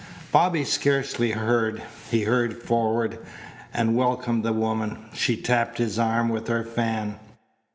Bobby scarcely heard. He hurried forward and welcomed the woman. She tapped his arm with her fan.